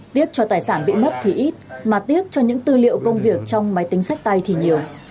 tiếc cho tài sản bị mất thì ít mà tiếc cho những tư liệu công việc trong máy tính sách tay thì nhiều